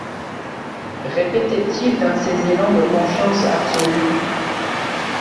répétait-il dans ses élans de confiance absolue.